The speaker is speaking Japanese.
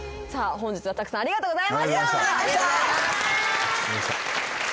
本日はたくさんありがとうございました。